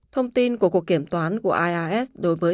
thông tin của cuộc kiểm toán của ias đối với